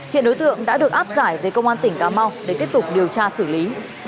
hiện đối tượng đã được áp giải về công an tỉnh cà mau để tiếp tục điều tra xử lý